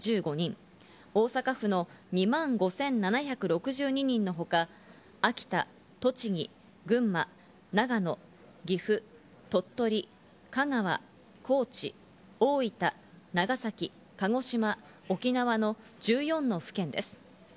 過去最多となったのは愛知県の１万５３１５人、大阪府の２万５７６２人のほか、秋田、栃木、群馬、長野、岐阜、鳥取、香川、高知、大分、長崎、鹿児島、沖縄の１４の府県です。